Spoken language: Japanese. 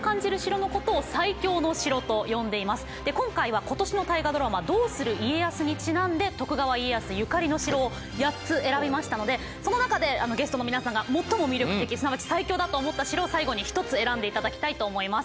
で今回は今年の大河ドラマ「どうする家康」にちなんで徳川家康ゆかりの城を８つ選びましたのでその中でゲストの皆さんが最も魅力的すなわち最強だと思った城を最後に１つ選んで頂きたいと思います。